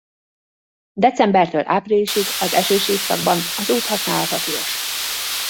Decembertől áprilisig az esős évszakban az út használata tilos.